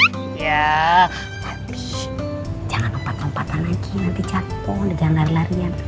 iya tapi jangan keempat keempatan lagi nanti jatuh jangan lari larian oke